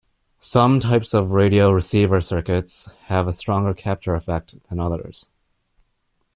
Some types of radio receiver circuits have a stronger capture effect than others.